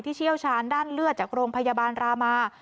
เชี่ยวชาญด้านเลือดจากโรงพยาบาลรามา